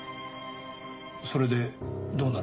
それでどうなの？